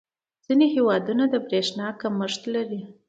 • ځینې هېوادونه د برېښنا کمښت لري.